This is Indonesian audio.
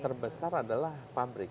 terbesar adalah pabrik